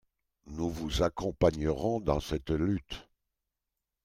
Nous vous accompagnerons dans cette lutte.